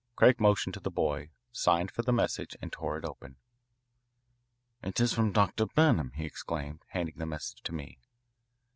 Craig motioned to the boy, signed for the message, and tore it open. "It is from Dr. Burnham," he exclaimed, handing the message to me.